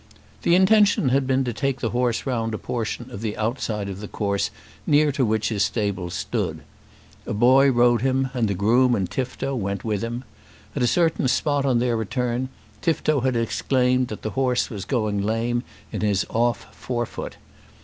The intention had been to take the horse round a portion of the outside of the course near to which his stable stood. A boy rode him and the groom and Tifto went with him. At a certain spot on their return Tifto had exclaimed that the horse was going lame in his off fore foot.